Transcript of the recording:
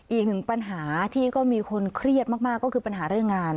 อีกหนึ่งปัญหาที่ก็มีคนเครียดมากก็คือปัญหาเรื่องงาน